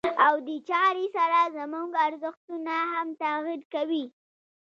او دې چارې سره زموږ ارزښتونه هم تغيير کوي.